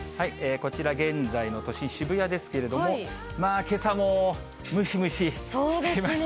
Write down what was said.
こちら、現在の都心、渋谷ですけれども、けさもムシムシしてましてね。